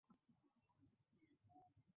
তাহার পরদিনেই বিবাহ হইয়া গেল।